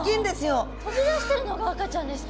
飛び出してるのが赤ちゃんですか。